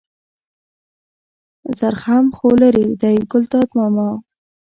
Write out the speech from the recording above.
زرخم خو لېرې دی ګلداد ماما.